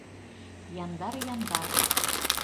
Яндар-яндар.